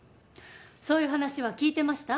そういう話は聞いてました？